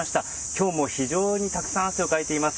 今日も非常にたくさん汗をかいています。